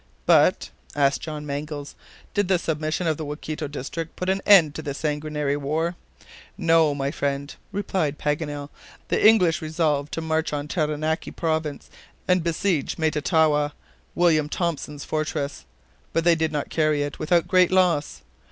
"But," asked John Mangles, "did the submission of the Waikato district put an end to this sanguinary war?" "No, my friend," replied Paganel. "The English resolved to march on Taranaki province and besiege Mataitawa, William Thompson's fortress. But they did not carry it without great loss.